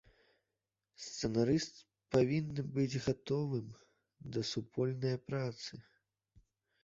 Сцэнарыст павінны быць гатовым да супольнае працы.